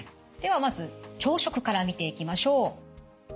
ではまず朝食から見ていきましょう。